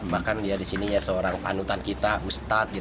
bahkan di sini seorang panutan kita ustadz